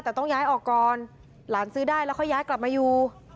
แต่ต้องย้ายออกก่อนหลานซื้อได้แล้วค่อยย้ายกลับมาอยู่